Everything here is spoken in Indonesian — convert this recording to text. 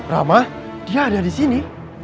ramah dia ada di sini